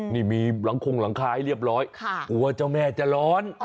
นี่มีหลังคงหลังคาให้เรียบร้อยกลัวเจ้าแม่จะร้อน